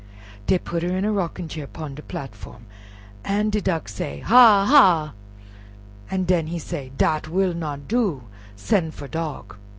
Dey put her in a rocking chair 'pon de platform, an' de Duck say, "Hahh! hahh!" an' den he say, "Dat will not do. Sen' for Dog."